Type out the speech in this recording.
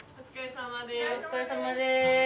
お疲れさまです。